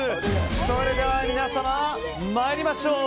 それでは皆様、参りましょう。